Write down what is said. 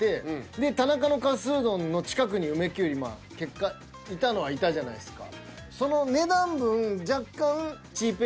で田中のかすうどんの近くに梅きゅうりまあ結果いたのはいたじゃないですか。